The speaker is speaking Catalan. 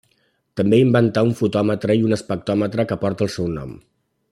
També inventà un fotòmetre i espectròmetre, que porta el seu nom.